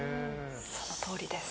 そのとおりです。